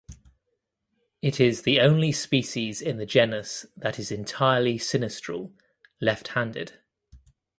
It is the only species in the genus that is entirely sinistral (left handed).